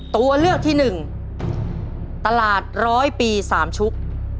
ตัวเลือกที่หนึ่งตลาดร้อยปีสามชุก